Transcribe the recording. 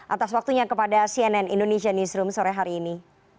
atas waktunya kepada cnn indonesia newsroom sore hari ini